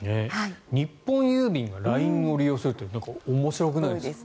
日本郵便がＬＩＮＥを利用するって面白くないですか？